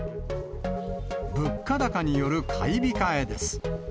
物価高による買い控えです。